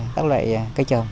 các loại cây trồng